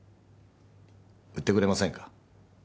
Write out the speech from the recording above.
売ってくれませんか？